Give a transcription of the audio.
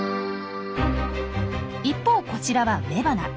一方こちらは雌花。